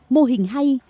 mô hình hay